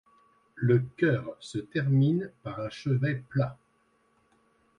Le chœur se termine par un chevet plat.